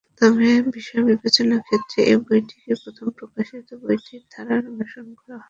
তবে বিষয় নির্বাচনের ক্ষেত্রে এই বইটিতে প্রথম প্রকাশিত বইটির ধারা অনুসরণ করা হয়নি।